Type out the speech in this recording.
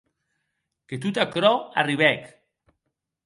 E tot aquerò arribèc!